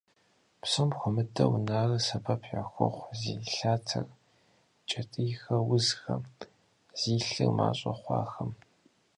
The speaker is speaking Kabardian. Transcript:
Псом хуэмыдэу нарыр сэбэп яхуохъу зи лъатэр, кӀэтӀийхэр узхэм, зи лъыр мащӀэ хъуахэм.